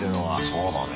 そうだね。